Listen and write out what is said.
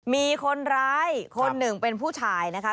มีคนร้ายคนหนึ่งเป็นผู้ชายนะคะ